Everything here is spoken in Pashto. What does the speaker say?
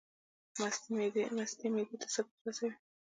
مستې معدې ته څه ګټه رسوي؟